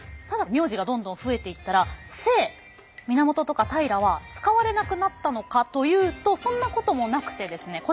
ただ名字がどんどん増えていったら姓「源」とか「平」は使われなくなったのかというとそんなこともなくてですね。